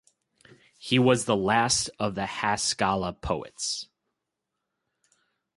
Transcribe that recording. He was the last of the Haskala poets.